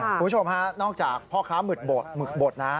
คุณผู้ชมฮะนอกจากพ่อค้าหมึกบดหมึกบดนะ